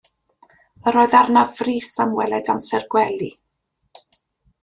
Yr oedd arnaf frys am weled amser gwely.